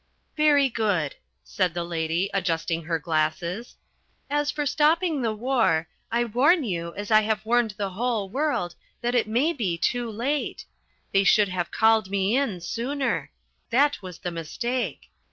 "Very good," said the lady, adjusting her glasses. "As for stopping the war, I warn you, as I have warned the whole world, that it may be too late. They should have called me in sooner. That was the mistake.